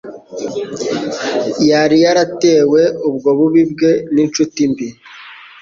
yari yaratewe ubwo bubi bwe n'inshtiti mbi,